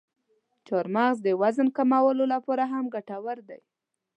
چارمغز د وزن کمولو لپاره هم ګټور دی.